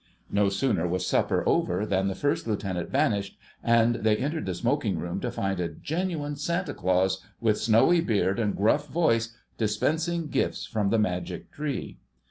No sooner was supper over than the First Lieutenant vanished, and they entered the smoking room to find a genuine Santa Claus, with snowy beard and gruff voice, dispensing gifts from the magic tree.